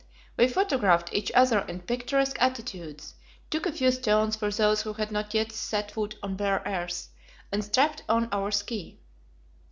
We photographed each other in "picturesque attitudes," took a few stones for those who had not yet set foot on bare earth, and strapped on our ski.